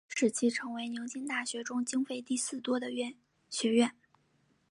使其成为牛津大学中经费第四多的学院。